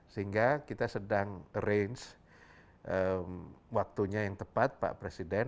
sehingga kita sedang arrange waktunya yang tepat pak presiden